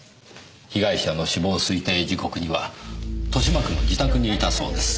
被害者の死亡推定時刻には豊島区の自宅にいたそうです。